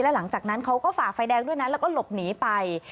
หลังจากนั้นเขาก็ฝ่าไฟแดงด้วยนะแล้วก็หลบหนีไป